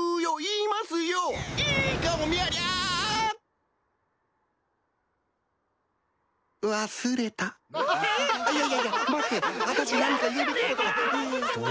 いやいや待って私何か言うべきことが。